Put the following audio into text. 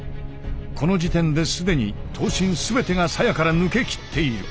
この時点で既に刀身全てが鞘から抜けきっている。